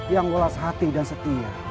yang ulas hati dan setia